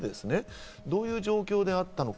どういう状況でなったのか？